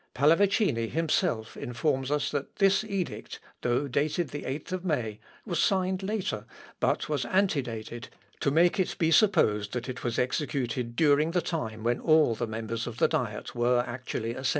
Pallavicini himself informs us that this edict, though dated the 8th May, was signed later, but was antedated, to make it be supposed that it was executed during the time when all the members of the Diet were actually assembled.